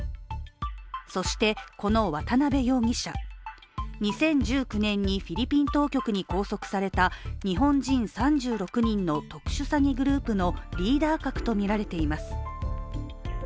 そして、この渡辺容疑者、２０１９年にフィリピン当局に拘束された日本人３６人の特殊詐欺グループのリーダー格とみられています。